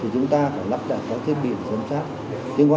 của lực lượng chức năng